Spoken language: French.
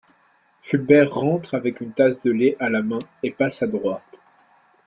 Fulbert rentre avec une tasse de lait à la main et passe à droite.